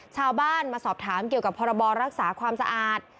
ชาวบ้านมาสอบถามเกี่ยวกับพรบรักษาความสะอาด